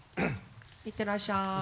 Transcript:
行ってらっしゃい。